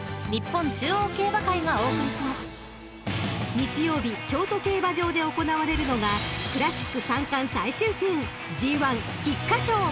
［日曜日京都競馬場で行われるのがクラシック三冠最終戦ＧⅠ菊花賞］